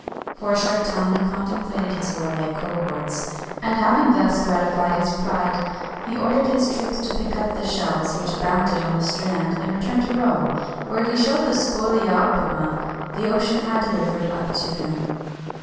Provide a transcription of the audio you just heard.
For a short time he contemplated his warlike cohorts, and having thus gratified his pride, he ordered his troops to pick up the shells which abounded on the strand, and returned to Rome, where he showed the "spolia opima" the ocean had delivered up to him.